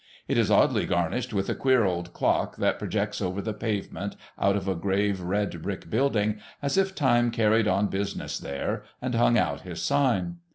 It is oddly garnished with a queer old clock that projects over the pavement out of a grave red brick building, as if Time carried on business there, and hung out his sign.